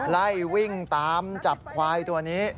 ไล่วิ่งตามจับควายตัวนี้